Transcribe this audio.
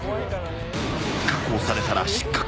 確保されたら失格。